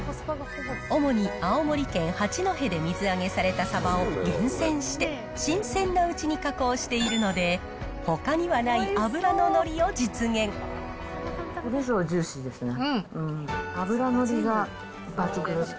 主に青森県八戸で水揚げされたサバを厳選して、新鮮なうちに加工しているので、これぞジューシーですね。